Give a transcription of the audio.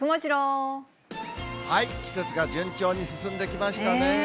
季節が順調に進んできましたね。